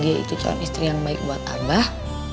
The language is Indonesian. dia itu calon istri yang baik buat abah